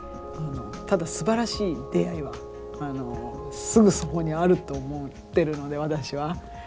ただすばらしい出会いはすぐそこにあると思ってるので私は。